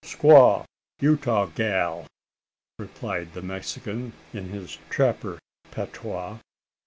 "Squaw Utah gal," replied the Mexican in his trapper patois.